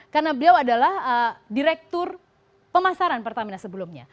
karena beliau adalah direktur pemasaran pertamina sebelumnya